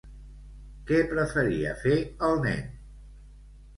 Què preferia fer el nen?